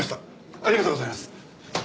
ありがとうございます。